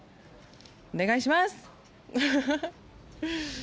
お願いします！